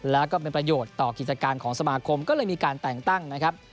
แล้วก็เป็นประโยชน์ต่อกิจการของสมาคมก็เลยมีการแต่งตั้งนะครับ